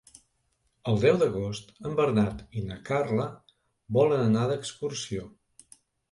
El deu d'agost en Bernat i na Carla volen anar d'excursió.